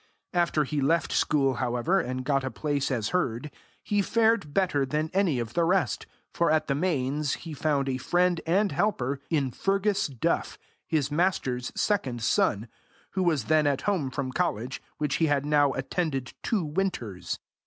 After he left school, however, and got a place as herd, he fared better than any of the rest, for at the Mains he found a friend and helper in Fergus Duff, his master's second son, who was then at home from college, which he had now attended two winters.